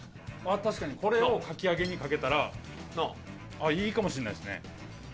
確かにこれをかき揚げにかけたらいいかもしれないですね